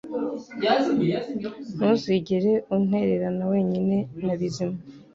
Ntuzigere untererana wenyine na Bizimana